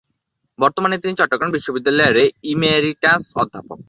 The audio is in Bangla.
বর্তমানে তিনি চট্টগ্রাম বিশ্ববিদ্যালয়ের ইমেরিটাস অধ্যাপক।